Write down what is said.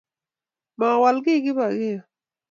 Mowol kiy Kipokeo